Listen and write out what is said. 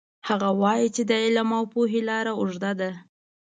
هغه وایي چې د علم او پوهې لار اوږده ده